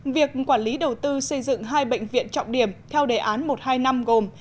việc quản lý đầu tư xây dựng hai bệnh viện trọng điểm theo đề án một hai năm gồm